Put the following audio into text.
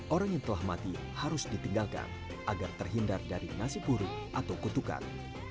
orang yang telah mati harus ditinggalkan agar terhindar dari nasib buruk atau kutukan